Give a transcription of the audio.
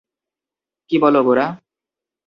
কী বল গোরা?